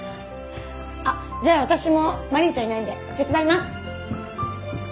あっじゃあ私もマリンちゃんいないんで手伝います！